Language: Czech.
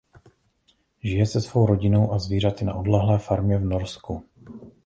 Žije se svou rodinou a zvířaty na odlehlé farmě v Norsku.